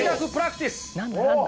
何だ？